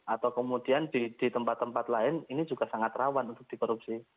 atau kemudian di tempat tempat lain ini juga sangat rawan untuk dikorupsi